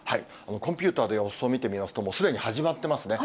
コンピューターで予想を見てみますと、もうすでに始まってますね。